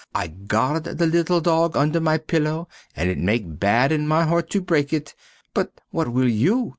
I guard the little dog under my pillow and it make bad in my heart to break it, but what will you?